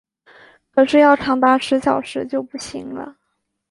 可是要长达十小时就不行了